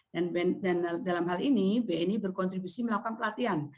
dan dalam hal ini bni berkontribusi melakukan pelatihan